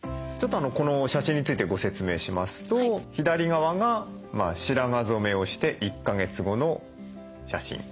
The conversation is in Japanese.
ちょっとこの写真についてご説明しますと左側が白髪染めをして１か月後の写真。